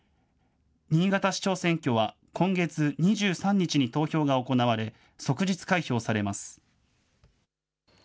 新潟市長選挙は、今月２３日に投票が行われ、即日開票されます。